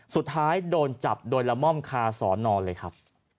สุดท้ายโดนจับโดยละม่อมคาสอนอนเลยครับ